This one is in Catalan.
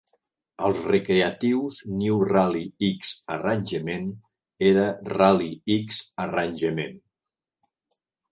Als recreatius, "New Rally-X Arrangement" era "Rally-X Arrangement".